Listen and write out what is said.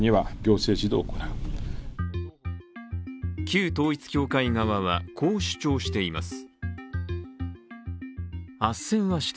旧統一教会側は、こう主張しています。